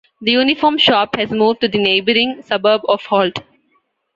The Uniform Shop has moved to the neighbouring suburb of Holt.